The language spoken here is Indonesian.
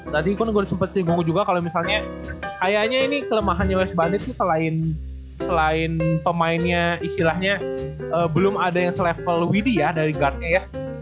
tadi kan gue udah sempet sih ngomong juga kalo misalnya kayaknya ini kelemahannya wes bandit tuh selain pemainnya istilahnya belum ada yang selevel wd ya dari guardnya ya